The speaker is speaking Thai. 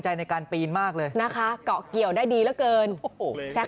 ใจในการปีนมากเลยนะคะเกาะเกี่ยวได้ดีเหลือเกินโอ้โหแซ่